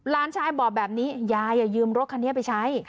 หลานชายบอกแบบนี้ยายยืมรถคันนี้ไปใช้